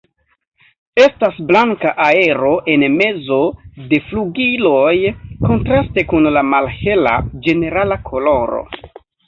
Estas blanka areo en mezo de flugiloj kontraste kun la malhela ĝenerala koloro.